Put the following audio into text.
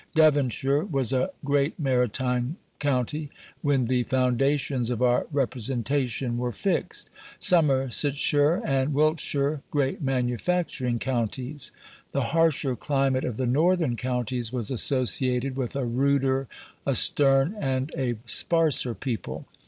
Devonshire was a great maritime county when the foundations of our representation were fixed; Somersetshire and Wiltshire great manufacturing counties. The harsher climate of the northern counties was associated with a ruder, a stern, and a sparser people.